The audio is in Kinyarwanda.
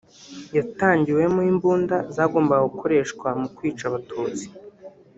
yatangiwemo imbunda zagombaga gukoreshwa mu kwica abatutsi